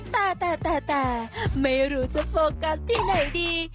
แต่แต่ไม่รู้จะโฟกัสที่ไหนดี